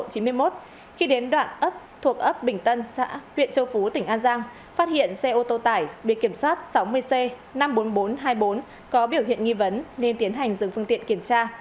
khi đến đoạn ấp thuộc ấp bình tân xã huyện châu phú tỉnh an giang phát hiện xe ô tô tải bị kiểm soát sáu mươi c năm mươi bốn nghìn bốn trăm hai mươi bốn có biểu hiện nghi vấn nên tiến hành dừng phương tiện kiểm tra